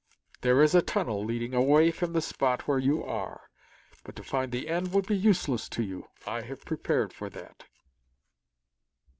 "There is a tunnel leading away from the spot where you are, but to find the end would be useless to you. I have prepared for that."